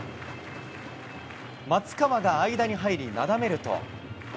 松川が間に入り、なだめると。